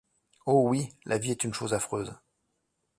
Oh ! oui, la vie est une chose affreuse.